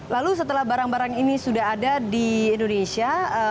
lalu setelah barang barang ini sudah ada di indonesia